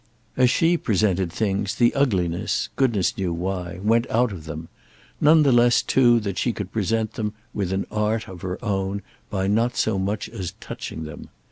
As she presented things the ugliness—goodness knew why—went out of them; none the less too that she could present them, with an art of her own, by not so much as touching them.